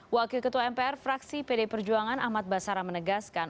wakil ketua mpr fraksi pd perjuangan ahmad basara menegaskan